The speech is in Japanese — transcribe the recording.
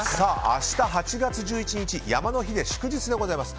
明日、８月１１日山の日で祝日でございます。